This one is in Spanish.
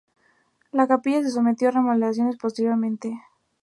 La capilla se sometió a remodelaciones posteriormente.